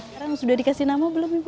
sekarang sudah dikasih nama belum ibu